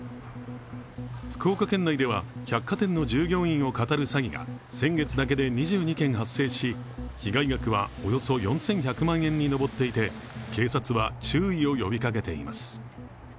福岡県内では百貨店の従業員をかたる詐欺が先月だけで２２件発生し、被害額はおよそ４１００万円に上っていて、警察は注意を呼びかけています。